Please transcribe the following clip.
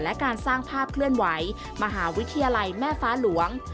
และการสร้างภาพเคลื่อนไหวมหาวิทยาลัยแม่ฟ้าหลวง